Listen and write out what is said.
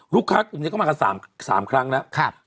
ลูกค้ากลุ่มนี้เข้ามากัน๓ครั้งแล้ว